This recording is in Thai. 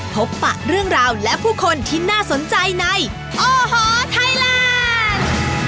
ปะเรื่องราวและผู้คนที่น่าสนใจในโอ้โหไทยแลนด์